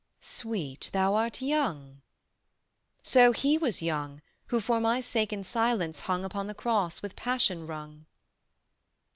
"Sweet, thou art young." "So He was young Who for my sake in silence hung Upon the Cross with Passion wrung."